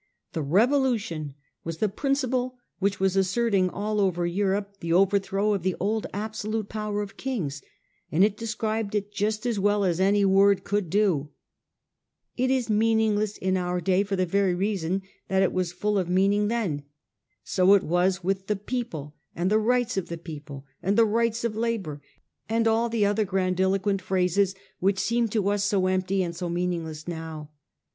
' The Revolution ' was the principle which was asserting all over Europe the overthrow of the old absolute power of kings, and it described it just as well as any word could do. It is meaning less in our day for the very reason that it was fall of meaning then. So it was with £ the people ' and ' the rights of the people ' and the ' rights of labour,' and all the other grandiloquent phrases which seem to us so empty and so meaningless now.